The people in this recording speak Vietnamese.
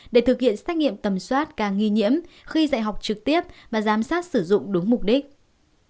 để thực hiện xét nghiệm tầm soát ca nghi nhiễm khi dạy học trực tiếp và giám sát sử dụng đúng mục đích